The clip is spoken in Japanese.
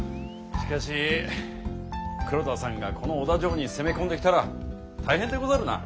しかし黒田さんがこの小田城に攻め込んできたら大変でござるな。